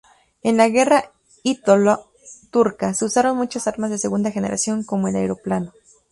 En la Guerra ítalo-turca se usaron muchas armas de segunda generación como el aeroplano.